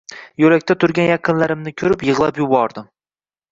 Yoʻlakda turgan yaqinlarimni koʻrib, yigʻlab yubordim